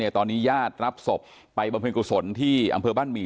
ตอนนี้ญาติรับศพไปบำเพ็ญกุศลที่อำเภอบ้านหมี่